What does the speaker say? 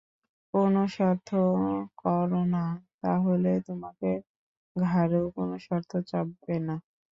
কোন শর্ত কর না, তা হলেই তোমার ঘাড়েও কোন শর্ত চাপবে না।